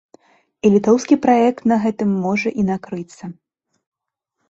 І літоўскі праект на гэтым можа і накрыцца.